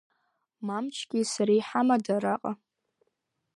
Мамчкеи сареи иҳамада араҟа?!